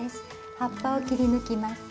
葉っぱを切り抜きます。